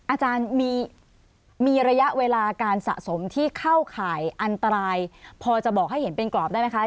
อาจารย์มีระยะเวลาการสะสมที่เข้าข่ายอันตรายพอจะบอกให้เห็นเป็นกรอบได้ไหมคะ